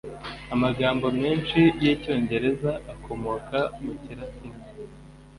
Amagambo menshi yicyongereza akomoka mu kilatini.